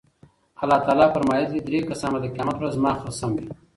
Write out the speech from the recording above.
الله تعالی فرمايلي دي، درې کسان به د قيامت په ورځ زما خصم وي